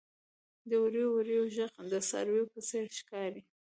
• د وریو وریو ږغ د څارويو په څېر ښکاري.